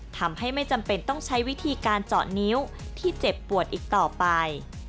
ทำให้ไม่จำเป็นต้องใช้วิธีการเจาะนิ้วที่เจ็บปวดอีกต่อไป